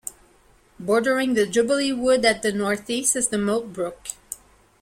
Bordering the Jubilee Wood to the North East is the Moat Brook.